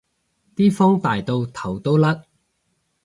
啲風大到頭都甩